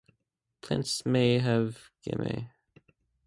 Plants may have gemmae.